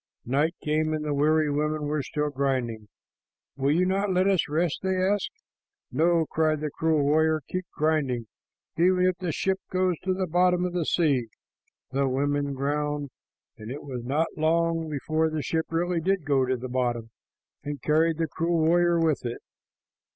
Night came and the weary women were still grinding. "Will you not let us rest?" they asked. "No," cried the cruel warrior. "Keep grinding, even if the ship goes to the bottom of the sea." The women ground, and it was not long before the ship really did go to the bottom, and carried the cruel warrior with it.